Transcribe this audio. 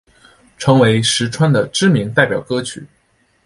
成为实川的知名代表歌曲。